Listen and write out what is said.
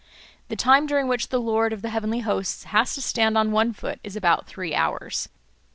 The time during which the Lord of the Heavenly Hosts has to stand on one foot is about three hours.